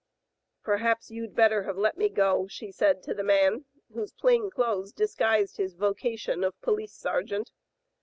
"Perhaps you'd better have let me go, she said to the man, whose plain clothes disguised his vocation of police sergeant.